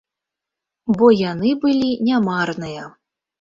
Бо яны былі не марныя.